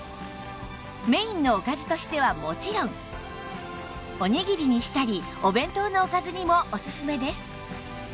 メインのおかずとしてはもちろんおにぎりにしたりお弁当のおかずにもおすすめです